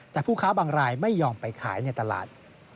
แต่ผู้ค้าบางรายไม่ยอมไปขายในตลาด